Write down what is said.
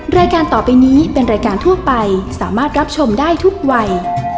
รายการต่อไปนี้เป็นรายการทั่วไปสามารถรับชมได้ทุกวัย